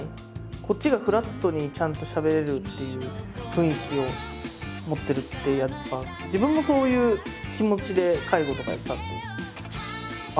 こっちがフラットにちゃんとしゃべれるっていう雰囲気を持ってるってやっぱ自分もそういう気持ちで介護とかやってたんでああ